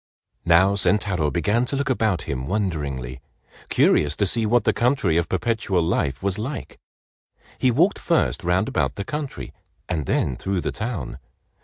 Now Sentaro began to look about him wonderingly, curious to see what the country of Perpetual Life was like. He walked first round about the country and then through the town.